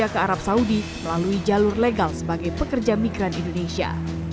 ke arab saudi melalui jalur legal sebagai pekerja migran indonesia